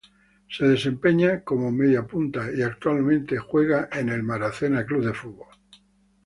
Se desempeña como mediapunta y actualmente juega en el Sheffield United.